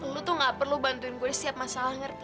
lo tuh gak perlu bantuin gue setiap masalah ngerti